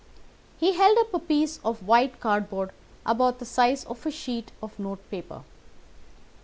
He held up a piece of white cardboard about the size of a sheet of note paper.